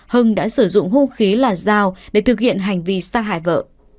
hưng đã sử dụng hung khí là dao để thực hiện hành vi sát hại vợ